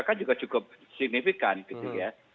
kan juga cukup signifikan gitu ya